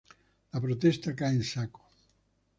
La protesta cae en saco.